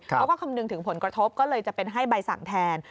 คำนึงถึงผลกระทบก็เลยจะเป็นให้ใบสั่งแทน